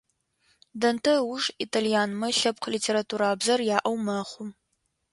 Данте ыуж итальянмэ лъэпкъ литературабзэр яӏэу мэхъу.